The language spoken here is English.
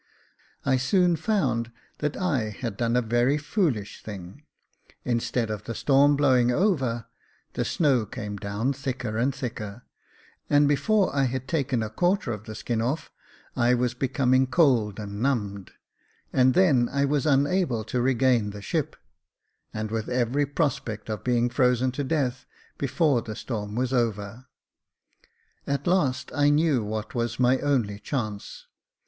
I soon found that I had done a very foolish thing ; instead of the storm blowing over, the snow came down thicker and thicker ; and before I had taken a quarter of the skin off, I was becoming cold and numbed, and then I was unable to regain the ship, and with every prospect of being frozen to death before the storm was over. At last, I knew what was my only chance.